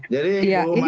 jadi ibu mariana